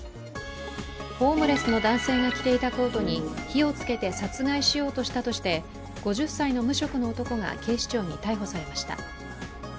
ホームレスの男性が着ていたコートに火をつけて殺害しようとしたとして５０歳の無職の男が警視庁に逮捕されました。